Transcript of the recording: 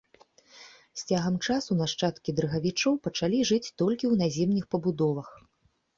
З цягам часу нашчадкі дрыгавічоў пачалі жыць толькі ў наземных пабудовах.